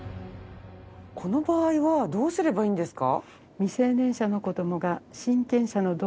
この場合はどうすればいいんですか？